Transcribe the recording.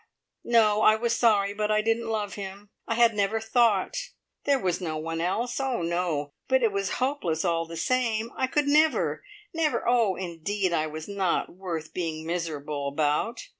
no! I was sorry, but I didn't love him; I had never thought. There was no one else oh, no; but it was hopeless all the same. I could never never Oh, indeed, I was not worth being miserable about.